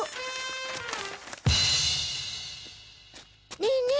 ねえねえ